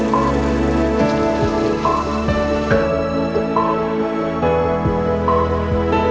gak papa kan suami aku gak ada di rumah